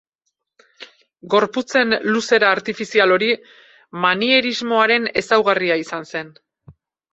Gorputzen luzera artifizial hori manierismoaren ezaugarria izan zen.